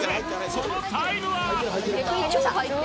そのタイムは？